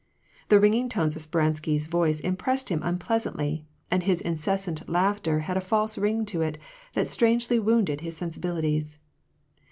The ringing tones of Speransky's voice impressed him unpleasantly, and his incessant laughter had a false ring to it that strangely wounded his sensibilities.